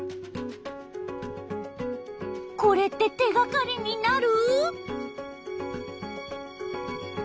これって手がかりになる？